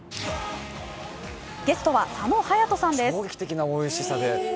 ゲストは佐野勇斗さんです。